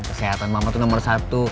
kesehatan mama itu nomor satu